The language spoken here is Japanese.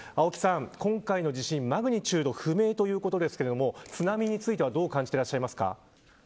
今回の地震マグニチュード不明ということですが津波についてはどう感じていますか。